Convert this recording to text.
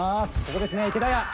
ここですね池田屋。